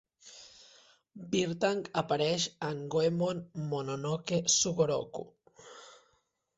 Beartank apareix en Goemon Mononoke Sugoroku.